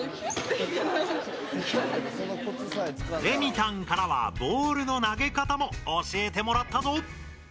レミたんからはボールの投げ方も教えてもらったぞ。